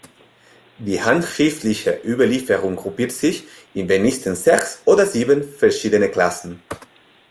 Die handschriftliche Überlieferung gruppiert sich in wenigstens sechs oder sieben verschiedene Klassen.